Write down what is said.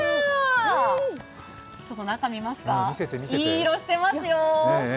中見ますか、いい色してますよ。